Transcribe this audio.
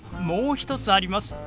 もう一つあります。